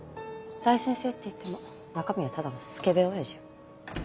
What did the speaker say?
大先生っていっても中身はただのスケベオヤジよ。